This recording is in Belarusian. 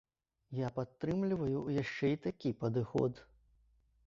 Я падтрымліваю яшчэ і такі падыход.